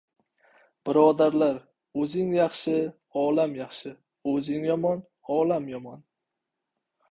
Birodarlar, o‘zing yaxshi — olam yaxshi, o‘zing yomon — olam yomon!